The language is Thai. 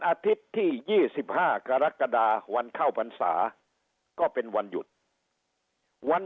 อาทิตย์ที่๒๕กรกฎาวันเข้าพรรษาก็เป็นวันหยุดวัน